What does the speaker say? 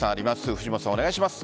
藤本さん、お願いします。